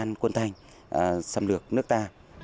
đánh tan quân thành xâm lược nước ta